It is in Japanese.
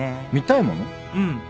うん。